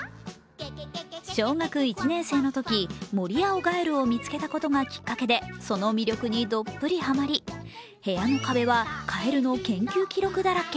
小学１年生のとき、モリアオガエルを見つけたことがきっかけでその魅力にどっぷりはまり、部屋の壁はかえるの研究記録だらけ。